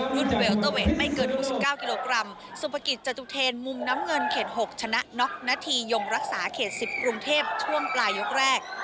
รุ่นเวลเตอร์เวทไม่เกินหกสิบเก้ากิโลกรัมสมประกิจจะจุเทรนมุมน้ำเงินเขตหกชนะน็อกนาทียงรักษาเขตสิบกรุงเทพช่วงปลายยกแรก